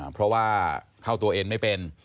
เพราะว่าเข้าตัวเองไม่เป็น